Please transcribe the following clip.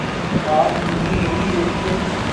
آ پ TV نہیں دیکھتے؟